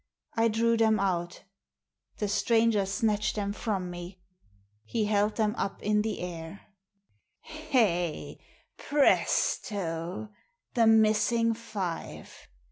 I drew them out The stranger snatched them from me. He held them up in the air. " Hey, presto— the missing five